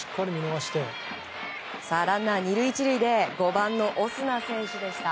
ランナー２塁１塁で５番のオスナ選手でした。